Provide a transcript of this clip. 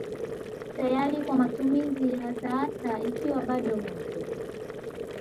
Tayari kwa matumizi hasa hasa ikiwa bado moto.